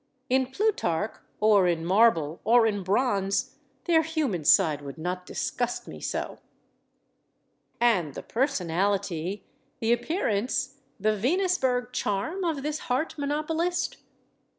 In Plutarch or in marble or in bronze, their human side would not disgust me so. And the personality, the appearance, the Venusberg charm of this heart monopolist?